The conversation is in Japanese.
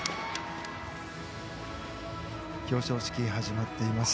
表彰式始まっています。